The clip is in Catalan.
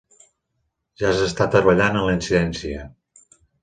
Ja s'està treballant en la incidència.